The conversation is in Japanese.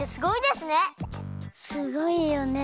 すごいよね。